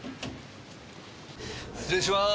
失礼しまーす！